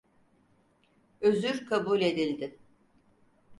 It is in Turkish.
Özür kabul edildi.